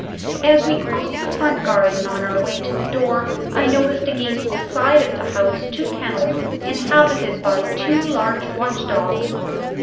As we crossed the front garden on our way to the door, I noticed against the side of the house two kennels, inhabited by two large watch dogs.